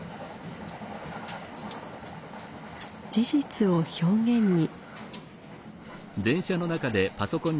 事実を表現に。